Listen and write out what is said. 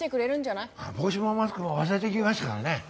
帽子もマスクも忘れていきましたからね。